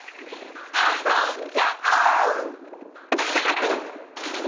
あそんじゃおう！